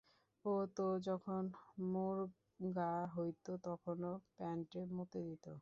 ও তো যখন মুরগা হইতো তখনও প্যান্টে মুতে দিত।